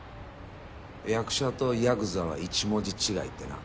役者とヤクザは１文字違いってな。